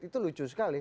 itu lucu sekali